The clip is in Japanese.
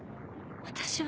私は。